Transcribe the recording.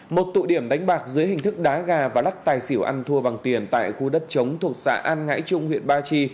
một tụ điểm đánh bạc dưới hình thức đá gà và lắc tài xỉu ăn thua bằng tiền tại khu đất chống thuộc xã an ngãi trung huyện ba chi